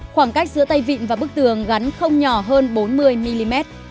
khoảng cách giữa tay vịn và tay vịn phải được kéo dài thêm ba trăm linh mm